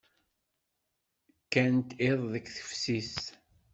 Kkant iḍ deg teftist.